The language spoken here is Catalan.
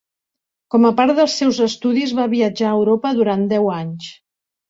Com a part dels seus estudis, va viatjar a Europa durant deu anys.